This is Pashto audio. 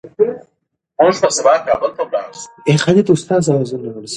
د ناروغانو لپاره دعا کوئ.